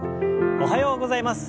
おはようございます。